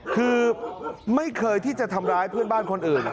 คือไม่เคยที่จะทำร้ายเพื่อนบ้านคนอื่น